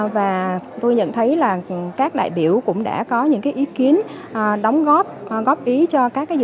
và tôi nhận thấy là các đại biểu cũng đã có những ý kiến đóng góp ý cho các đại biểu